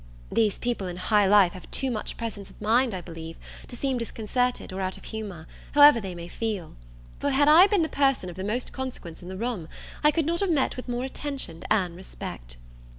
These people in high life have too much presence of mind, I believe, to seem disconcerted, or out of humour, however they may feel: for had I been the person of the most consequence in the room, I could not have met with more attention and respect.